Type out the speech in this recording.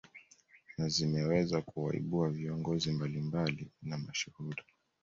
Na zimeweza kuwaibua viongozi mablimbali na mashuhuri